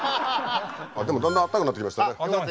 でもだんだんあったかくなってきましたね。